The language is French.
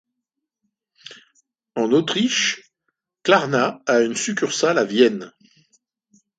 En Autriche, Klarna a une succursale à Vienne.